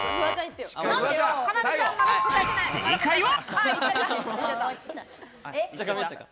正解は。